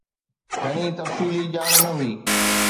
گهڻي تفصيلي ڄاڻ نه هئي.